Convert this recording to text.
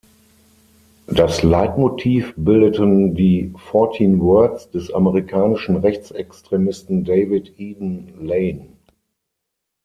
Das Leitmotiv bildeten die „Fourteen Words“ des amerikanischen Rechtsextremisten David Eden Lane.